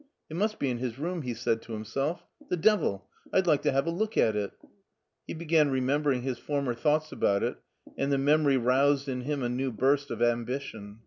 " It must be in his room," he said to himself. "The devil! I'd like to have a look at it." He began remembering his former thoughts about it, and the memory roused in him a new burst of ambition.